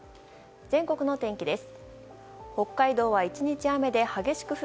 全国の天気です。